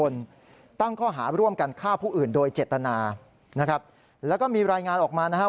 แล้วก็มีรายงานออกมานะครับ